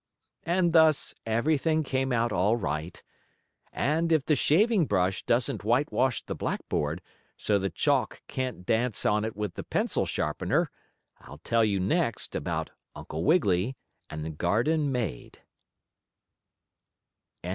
And thus everything came out all right, and if the shaving brush doesn't whitewash the blackboard, so the chalk can't dance on it with the pencil sharpener, I'll tell you next about Uncle Wiggily and the garden maid.